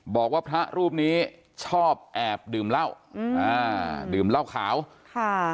บอกว่าพระรูปนี้ชอบแอบดื่มเหล้าอืมอ่าดื่มเหล้าขาวค่ะ